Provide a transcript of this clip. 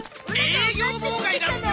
営業妨害だっての！